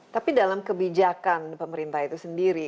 tapi dalam kebijakan pemerintah itu sendiri